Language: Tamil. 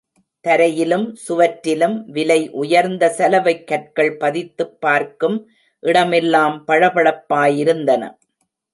தரையிலும் சுவற்றிலும் விலை உயர்ந்த சலவைக் கற்கள் பதித்துப் பார்க்கும் இடமெல்லாம் பளபளப்பாய் இருந்தன.